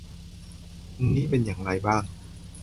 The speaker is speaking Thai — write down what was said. วันนี้เป็นอย่างไรบ้าง